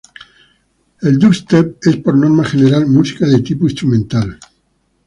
El dubstep es por norma general música de tipo instrumental.